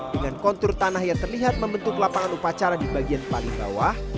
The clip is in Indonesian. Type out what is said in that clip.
dengan kontur tanah yang terlihat membentuk lapangan upacara di bagian paling bawah